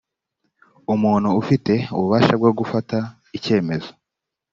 umuntu ufite ububasha bwo gufata icyemezo